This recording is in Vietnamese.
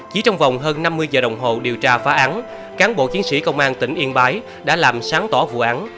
chỉ trong vòng hơn năm mươi giờ đồng hồ điều tra phá án cán bộ chiến sĩ công an tỉnh yên bái đã làm sáng tỏ vụ án